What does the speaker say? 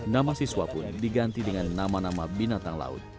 nama siswa pun diganti dengan nama nama binatang laut